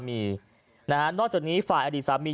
นอกจากตอนนี้ฝ่ายลูกสาวอดีตสามี